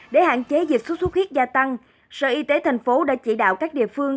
để hạn chế dịch sốt xuất huyết gia tăng sở y tế tp hcm đã chỉ đạo các địa phương